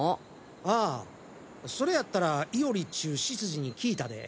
ああそれやったら伊織っちゅう執事に聞いたで。